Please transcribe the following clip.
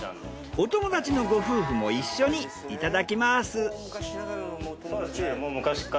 お友達のご夫婦も一緒にいただきます。